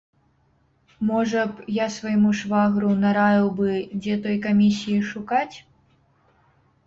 Можа б, я свайму швагру нараіў бы, дзе той камісіі шукаць?